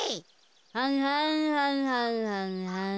はんはんはんはんはんはん。